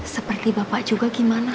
seperti bapak juga gimana